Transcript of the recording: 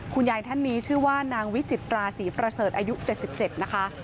คุณยายท่านนี้ชื่อว่านางวิจิตราศรีประเสริฐอายุ๗๗นะคะ